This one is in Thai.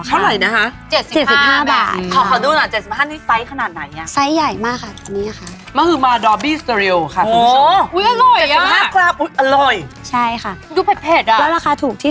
อันนี้๗๕นะอันนี้๔๐อะเทียบกันดูอะ